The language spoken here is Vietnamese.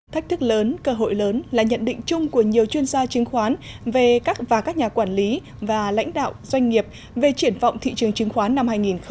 thách thức lớn cơ hội lớn là nhận định chung của nhiều chuyên gia chứng khoán và các nhà quản lý và lãnh đạo doanh nghiệp về triển vọng thị trường chứng khoán năm hai nghìn một mươi chín